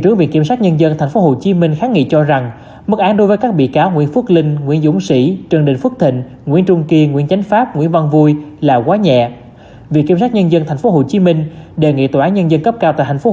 riêng bị cáo nguyễn phước linh nguyễn dũng sĩ trần đình phước thịnh nguyễn trung kiên nguyễn chánh pháp nguyễn văn vui bị phạt hai năm tù cùng tội danh trên